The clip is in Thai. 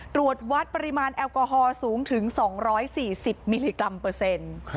ตรวจวัดปริมาณแอลกอฮอลสูงถึง๒๔๐มิลลิกรัมเปอร์เซ็นต์